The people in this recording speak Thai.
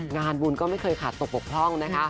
งานบุญก็ไม่เคยขาดตกบกพร่องนะคะ